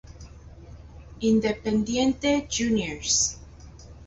Independiente Juniors